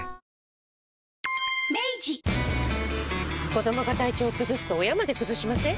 子どもが体調崩すと親まで崩しません？